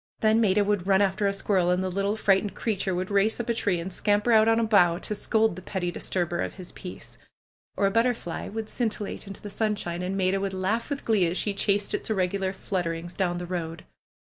Then Maida would run after a squirrel and the little frightened creature would race up a tree and scamper out on a bough to scold the pretty disturber of his peace. Or a butterfly would scintillate into the sunshine, and Maida would laugh with glee as she chased its irregular flutterings down the road.